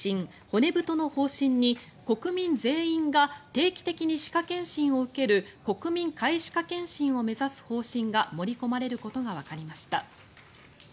骨太の方針に、国民全員が定期的に歯科検診を受ける国民皆歯科検診を目指す方針が盛り込まれることがわかりました。